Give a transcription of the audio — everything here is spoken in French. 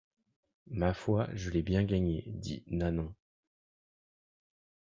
Ma foi, je l’ai bien gagné, dit Nanon.